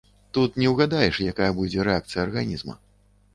Тут не ўгадаеш, якая будзе рэакцыя арганізма.